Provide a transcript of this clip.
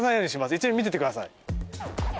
一緒に見ててください。